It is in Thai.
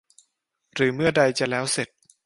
หรือเมื่อใดจะแล้วเสร็จ